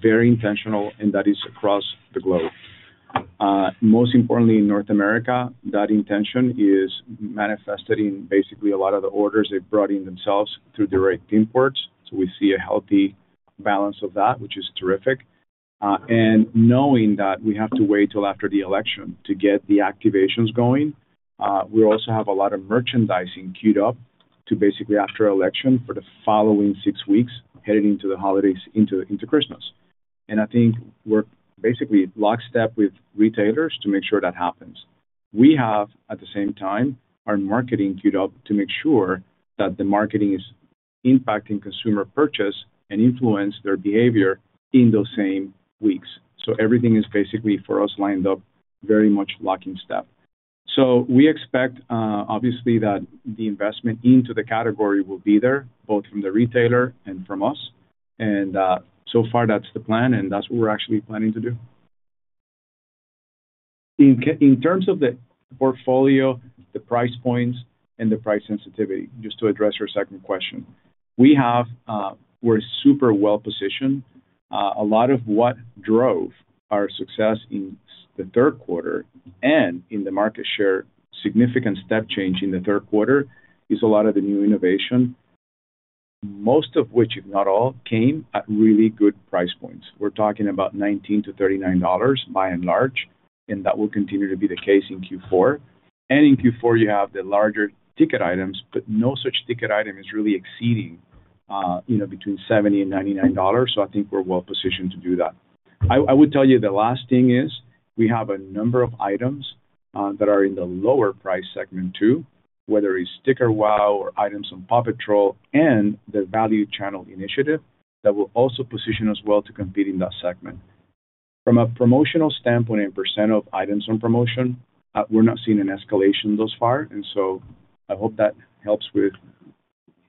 very intentional, and that is across the globe. Most importantly, in North America, that intention is manifested in basically a lot of the orders they've brought in themselves through direct imports. So we see a healthy balance of that, which is terrific. And knowing that we have to wait till after the election to get the activations going, we also have a lot of merchandising queued up to basically, after election, for the following six weeks, heading into the holidays, into Christmas. And I think we're basically lockstep with retailers to make sure that happens. We have, at the same time, our marketing queued up to make sure that the marketing is impacting consumer purchase and influencing their behavior in those same weeks. So everything is basically, for us, lined up very much in lockstep. So we expect, obviously, that the investment into the category will be there, both from the retailer and from us. And so far, that's the plan, and that's what we're actually planning to do. In terms of the portfolio, the price points, and the price sensitivity, just to address your second question, we're super well-positioned. A lot of what drove our success in the Q3 and in the market share, significant step change in the Q3, is a lot of the new innovation, most of which, if not all, came at really good price points. We're talking about $19-$39, by and large, and that will continue to be the case in Q4. And in Q4, you have the larger ticket items, but no such ticket item is really exceeding between $70 and $99. So I think we're well-positioned to do that. I would tell you the last thing is we have a number of items that are in the lower price segment too, whether it's Sticker Wow or items on Paw Patrol and the Value Channel Initiative that will also position us well to compete in that segment. From a promotional standpoint and % of items on promotion, we're not seeing an escalation thus far. And so I hope that helps with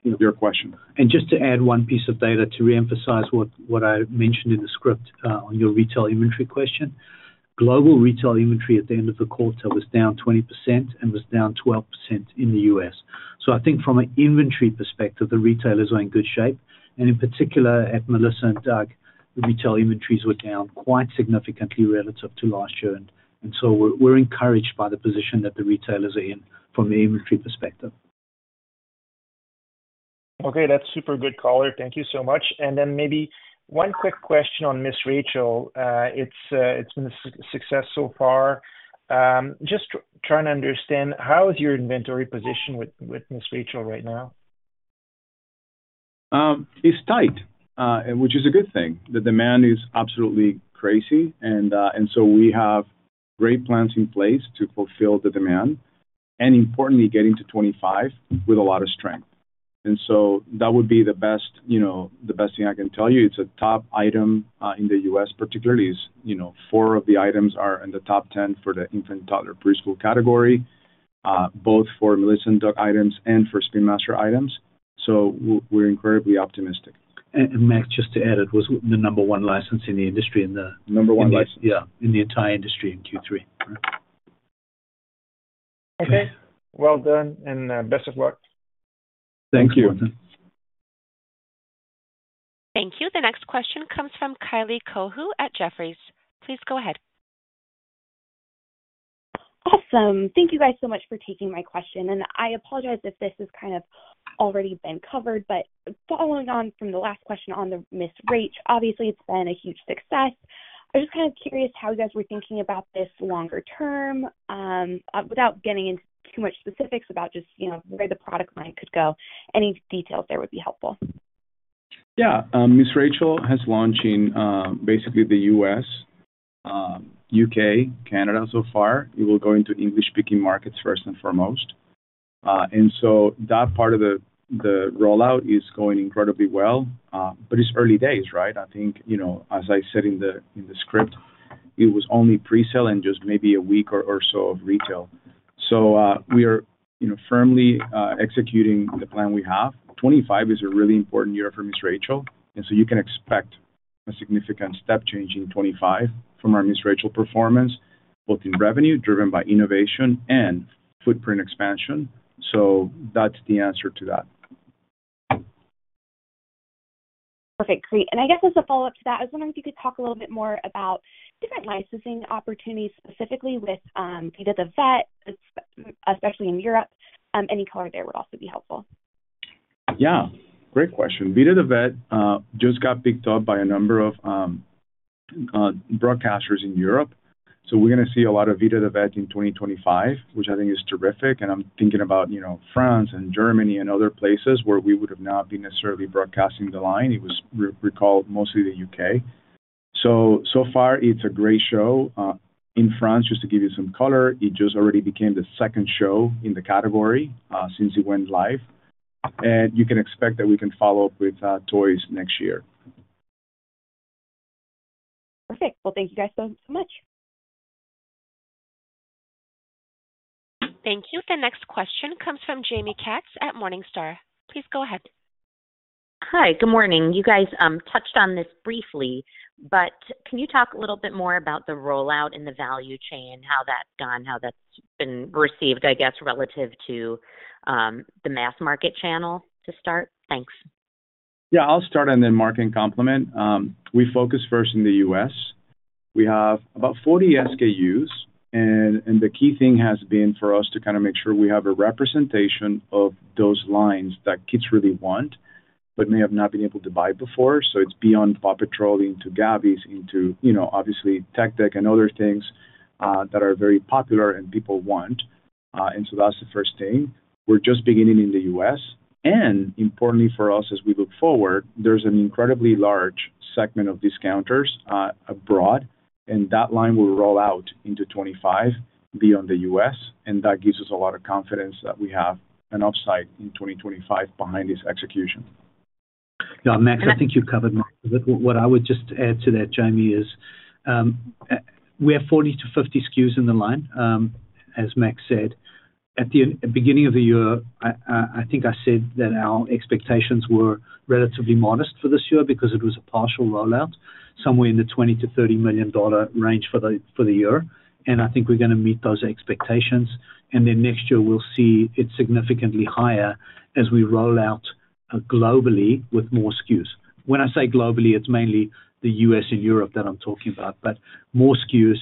your question. Just to add one piece of data to reemphasize what I mentioned in the script on your retail inventory question, global retail inventory at the end of the quarter was down 20% and was down 12% in the U.S. I think from an inventory perspective, the retailers are in good shape. In particular, at Melissa & Doug, the retail inventories were down quite significantly relative to last year. We're encouraged by the position that the retailers are in from the inventory perspective. Okay. That's super good color. Thank you so much. Maybe one quick question on Miss Rachel. It's been a success so far. Just trying to understand, how is your inventory position with Miss Rachel right now? It's tight, which is a good thing. The demand is absolutely crazy. And so we have great plans in place to fulfill the demand and, importantly, get into '25 with a lot of strength. And so that would be the best thing I can tell you. It's a top item in the U.S., particularly. Four of the items are in the top 10 for the infant/toddler preschool category, both for Melissa and Doug items and for Spin Master items. So we're incredibly optimistic. And Max, just to add, it was the number one license in the industry in the. Number one license. Yeah, in the entire industry in Q3. Okay. Well done and best of luck. Thank you. Thank you. The next question comes from Kylie Cohu at Jefferies. Please go ahead. Awesome. Thank you guys so much for taking my question. I apologize if this has kind of already been covered, but following on from the last question on the Miss Rachel, obviously, it's been a huge success. I'm just kind of curious how you guys were thinking about this longer term. Without getting into too much specifics about just where the product line could go, any details there would be helpful. Yeah. Miss Rachel has launched in basically the U.S., U.K., Canada so far. It will go into English-speaking markets first and foremost. And so that part of the rollout is going incredibly well. But it's early days, right? I think, as I said in the script, it was only presale and just maybe a week or so of retail. So we are firmly executing the plan we have. 2025 is a really important year for Miss Rachel. You can expect a significant step change in 2025 from our Ms. Rachel performance, both in revenue driven by innovation and footprint expansion. So that's the answer to that. Perfect. Great. And I guess as a follow-up to that, I was wondering if you could talk a little bit more about different licensing opportunities, specifically with Vita the Vet, especially in Europe. Any color there would also be helpful. Yeah. Great question. Vita the Vet just got picked up by a number of broadcasters in Europe. So we're going to see a lot of Vita the Vet in 2025, which I think is terrific. And I'm thinking about France and Germany and other places where we would have not been necessarily broadcasting the line. It was broadcast mostly in the U.K. So far, it's a great show. In France, just to give you some color, it just already became the second show in the category since it went live. And you can expect that we can follow up with toys next year. Perfect. Well, thank you guys so much. Thank you. The next question comes from Jamie Katz at Morningstar. Please go ahead. Hi. Good morning. You guys touched on this briefly, but can you talk a little bit more about the rollout and the value chain, how that's gone, how that's been received, I guess, relative to the mass market channel to start? Thanks. Yeah. I'll start on the marketing complement. We focus first in the U.S. We have about 40 SKUs. And the key thing has been for us to kind of make sure we have a representation of those lines that kids really want but may have not been able to buy before. It's beyond Paw Patrol into Gabby's, into obviously Tech Deck and other things that are very popular and people want. That's the first thing. We're just beginning in the U.S. Importantly for us, as we look forward, there's an incredibly large segment of discounters abroad. That line will roll out into '25 beyond the U.S. That gives us a lot of confidence that we have an upside in 2025 behind this execution. Yeah. Max, I think you've covered most of it. What I would just add to that, Jamie, is we have 40-50 SKUs in the line, as Max said. At the beginning of the year, I think I said that our expectations were relatively modest for this year because it was a partial rollout, somewhere in the $20-$30 million range for the year. And I think we're going to meet those expectations. And then next year, we'll see it significantly higher as we roll out globally with more SKUs. When I say globally, it's mainly the U.S. and Europe that I'm talking about, but more SKUs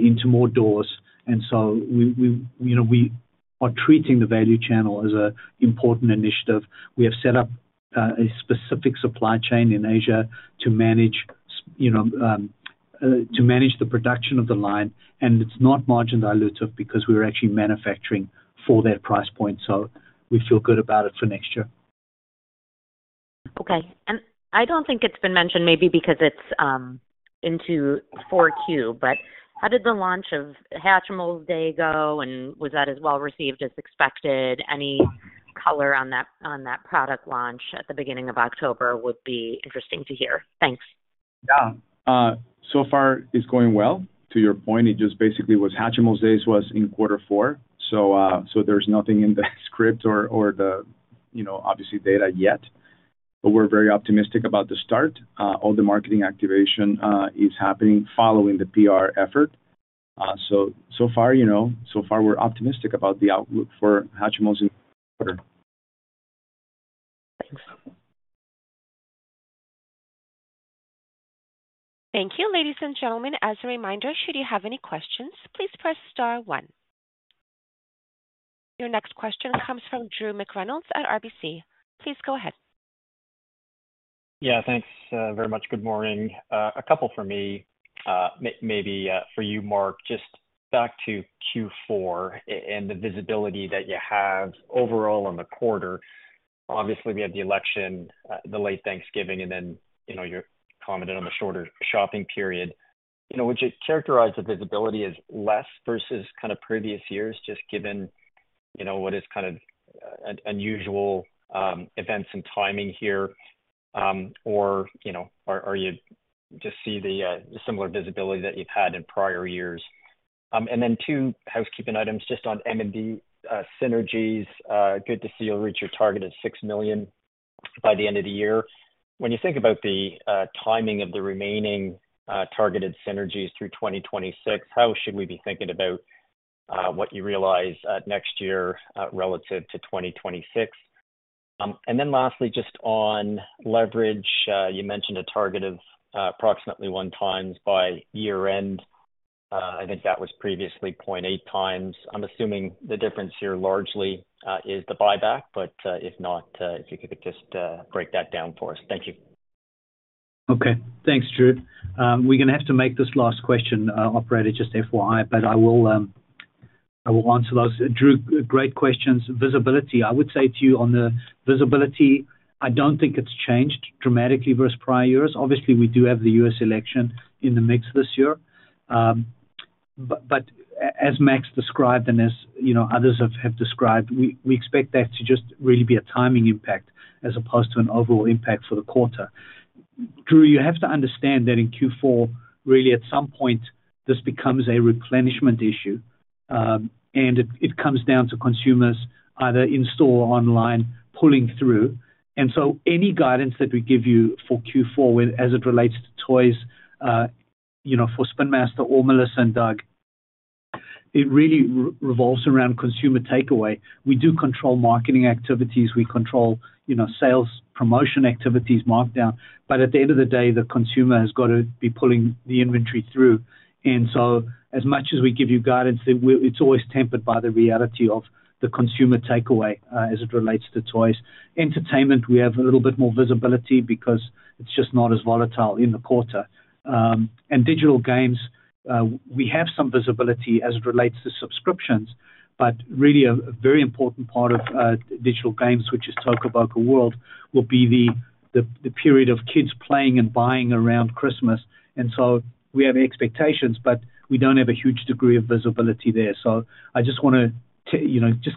into more doors. And so we are treating the value channel as an important initiative. We have set up a specific supply chain in Asia to manage the production of the line. And it's not margin dilutive because we're actually manufacturing for that price point. So we feel good about it for next year. Okay. And I don't think it's been mentioned maybe because it's into 4Q, but how did the launch of Hatchimals Day go? And was that as well received as expected? Any color on that product launch at the beginning of October would be interesting to hear. Thanks. Yeah. So far, it's going well. To your point, it just basically was Hatchimals Day was in quarter four. So there's nothing in the script or the obvious data yet. But we're very optimistic about the start. All the marketing activation is happening following the PR effort. So far, we're optimistic about the outlook for Hatchimals in quarter. Thanks. Thank you. Ladies and gentlemen, as a reminder, should you have any questions, please press star one. Your next question comes from Drew McReynolds at RBC. Please go ahead. Yeah. Thanks very much. Good morning. A couple for me, maybe for you, Mark, just back to Q4 and the visibility that you have overall on the quarter. Obviously, we have the election, the late Thanksgiving, and then you commented on the shorter shopping period. Would you characterize the visibility as less versus kind of previous years, just given what is kind of unusual events and timing here or are you just seeing the similar visibility that you've had in prior years? And then two housekeeping items just on M&D synergies. Good to see you'll reach your target of six million by the end of the year. When you think about the timing of the remaining targeted synergies through 2026, how should we be thinking about what you realize next year relative to 2026? And then lastly, just on leverage, you mentioned a target of approximately one times by year-end. I think that was previously 0.8 times. I'm assuming the difference here largely is the buyback, but if not, if you could just break that down for us. Thank you. Okay. Thanks, Drew. We're going to have to make this last question, operator, just FYI, but I will answer those. Drew, great questions. Visibility, I would say to you on the visibility, I don't think it's changed dramatically versus prior years. Obviously, we do have the U.S. election in the mix this year. But as Max described and as others have described, we expect that to just really be a timing impact as opposed to an overall impact for the quarter. Drew, you have to understand that in Q4, really at some point, this becomes a replenishment issue. And it comes down to consumers either in store or online pulling through. And so any guidance that we give you for Q4, as it relates to toys for Spin Master or Melissa and Doug, it really revolves around consumer takeaway. We do control marketing activities. We control sales promotion activities, markdown. But at the end of the day, the consumer has got to be pulling the inventory through. And so as much as we give you guidance, it's always tempered by the reality of the consumer takeaway as it relates to toys. Entertainment, we have a little bit more visibility because it's just not as volatile in the quarter. And digital games, we have some visibility as it relates to subscriptions, but really a very important part of digital games, which is Toca Boca World, will be the period of kids playing and buying around Christmas. And so we have expectations, but we don't have a huge degree of visibility there. So I just want to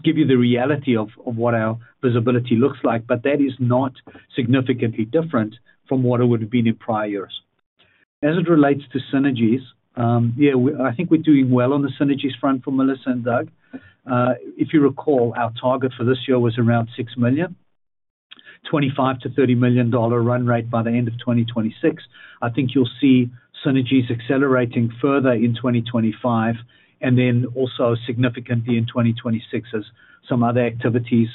give you the reality of what our visibility looks like, but that is not significantly different from what it would have been in prior years. As it relates to synergies, yeah, I think we're doing well on the synergies front for Melissa and Doug. If you recall, our target for this year was around $6 million, $25-$30 million run rate by the end of 2026. I think you'll see synergies accelerating further in 2025 and then also significantly in 2026 as some other activities,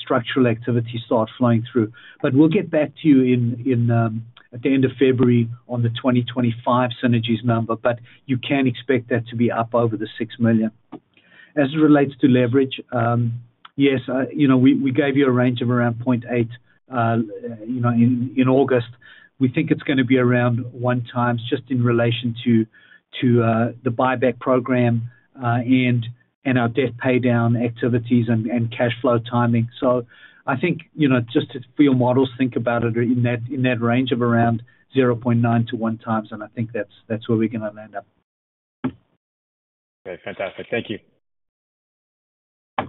structural activity starts flowing through. But we'll get back to you at the end of February on the 2025 synergies number, but you can expect that to be up over the $6 million. As it relates to leverage, yes, we gave you a range of around 0.8 in August. We think it's going to be around one times just in relation to the buyback program and our debt paydown activities and cash flow timing. So I think just for your models, think about it in that range of around 0.9 to 1 times. And I think that's where we're going to land up. Okay. Fantastic. Thank you.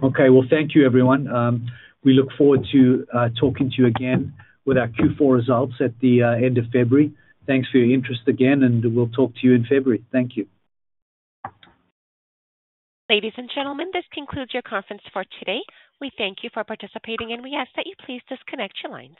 Okay. Well, thank you, everyone. We look forward to talking to you again with our Q4 results at the end of February. Thanks for your interest again, and we'll talk to you in February. Thank you. Ladies and gentlemen, this concludes your conference for today. We thank you for participating, and we ask that you please disconnect your lines.